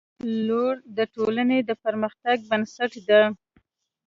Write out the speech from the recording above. • لور د ټولنې د پرمختګ بنسټ ده.